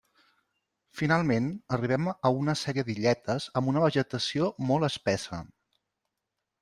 Finalment, arribem a una sèrie d'illetes amb una vegetació molt espessa.